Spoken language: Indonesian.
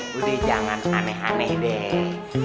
budi jangan aneh aneh deh